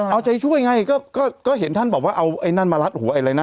เอาใจช่วยไงก็ก็เห็นท่านบอกว่าเอาไอ้นั่นมารัดหัวไอ้อะไรนะ